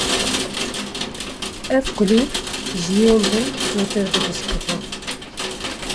Ev kulîlk ji yên din zûtir dibişkivin.